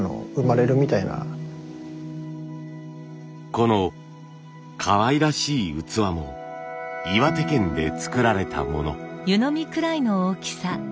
このかわいらしい器も岩手県で作られたもの。